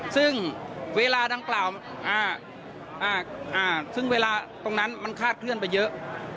ซึ่งเวลาดังกล่าวซึ่งเวลาตรงนั้นมันคาดเคลื่อนไปเยอะ